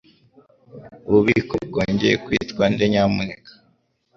Ububiko bwongeye kwitwa nde, nyamuneka?